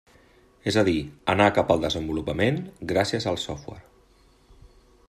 És a dir, anar cap al desenvolupament gràcies al software.